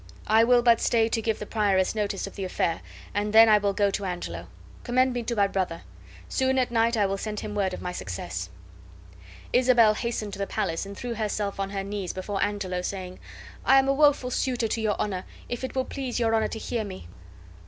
"I will but stay to give the prioress notice of the affair, and then I will go to Angelo. Commend me to my brother. Soon at night I will send him word of my success." Isabel hastened to the palace and threw herself on her knees before Angelo, saying, "I am a woeful suitor to your Honor, if it will please your Honor to hear me."